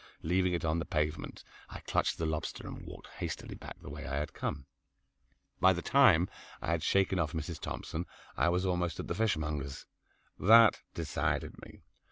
Leaving it on the pavement I clutched the lobster and walked hastily back the way I had come. By the time I had shaken off Mrs. Thompson I was almost at the fishmonger's. That decided me.